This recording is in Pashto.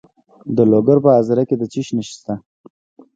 د لوګر په ازره کې د څه شي نښې دي؟